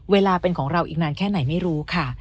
เวลาเป็นของเราอีกนานแค่ไหนไม่รู้ค่ะ